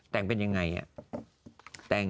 แต่งเป็นยังไงอ่ะ